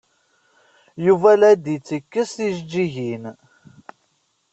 Yuba la d-ittekkes tijejjigin.